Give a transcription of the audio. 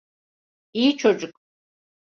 İyi çocuk.